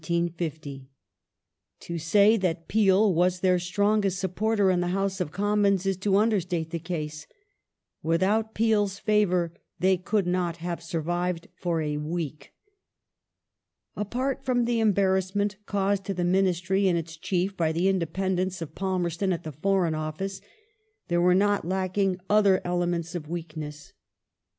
To say that Peel was their strongest supporter in the House of Commons is to under state the case ; without Peel's favour they could not have survived for a week. Apai't from the embarrassment caused to the Ministry and its chief by the independence of Palmei ston at the Foreign Office, there were not lacking other elements of weakness.